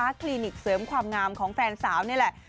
คลินิกเสริมความงามของแฟนสาวนี่แหละ